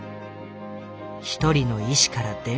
一人の医師から電話があった。